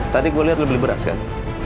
tadi gua liat lu beli beras kan